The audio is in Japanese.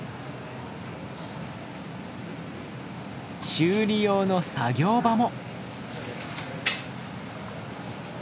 修理用の作業場も。